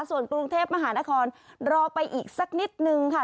ส่วนกรุงเทพมหานครรอไปอีกสักนิดนึงค่ะ